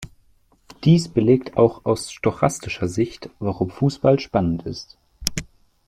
Dies belegt auch aus stochastischer Sicht, warum Fußball spannend ist.